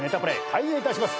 開演いたします。